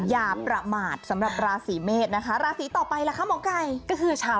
อย่าประมาทสำหรับราศีเมษนะคะ